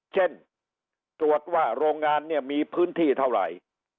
เช่นตรวจว่าโรงงานเนี่ยมีพื้นที่เท่าไหร่